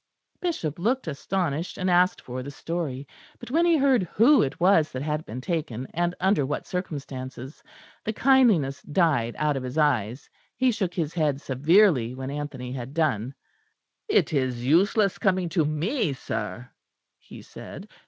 The Bishop looked astonished, and asked for the story; but when he heard who it was that had been taken, and under what circumstances, the kindliness died out of his eyes. He shook his head severely when Anthony had done. "It is useless coming to me, sir," he said.